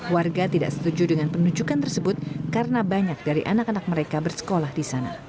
warga tidak setuju dengan penunjukan tersebut karena banyak dari anak anak mereka bersekolah di sana